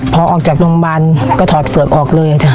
พอออกจากโรงพยาบาลก็ถอดเฝือกออกเลย